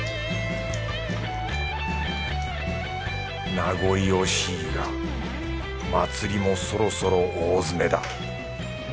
名残惜しいが祭りもそろそろ大詰めだ。